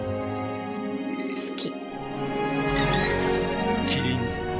好き。